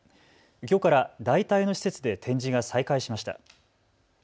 きょうから代替の施設で展示が再開しました。